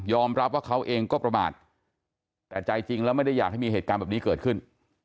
รับว่าเขาเองก็ประมาทแต่ใจจริงแล้วไม่ได้อยากให้มีเหตุการณ์แบบนี้เกิดขึ้น